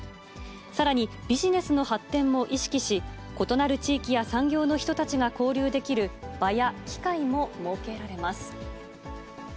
さらにビジネスの発展も意識し、異なる地域や産業の人たちが交流できる場や機会も設けられます。